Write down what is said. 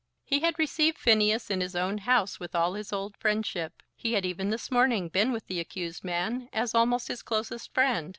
He had received Phineas in his own house with all his old friendship. He had even this morning been with the accused man as almost his closest friend.